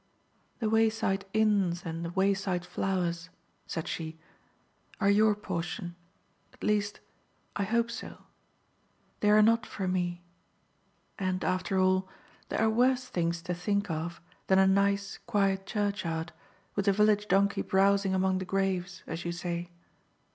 "The wayside inns and the wayside flowers," said she, "are your portion at least, I hope so. They are not for me. And, after all, there are worse things to think of than a nice quiet churchyard, with the village donkey browsing among the graves, as you say."